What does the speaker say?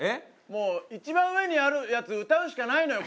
もう一番上にあるやつ歌うしかないのよ